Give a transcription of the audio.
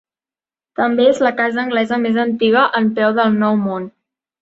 També és la casa anglesa més antiga en peu del Nou Món.